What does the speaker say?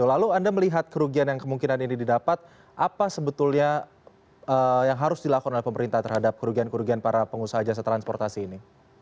lalu anda melihat kerugian yang kemungkinan ini didapat apa sebetulnya yang harus dilakukan oleh pemerintah terhadap kerugian kerugian para pengusaha jasa transportasi ini